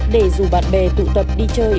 để rủ bạn bè tụ tập đi chơi